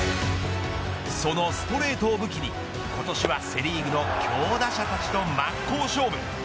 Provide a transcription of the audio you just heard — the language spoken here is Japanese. そのストレートを武器に今年はセ・リーグの強打者たちと真っ向勝負。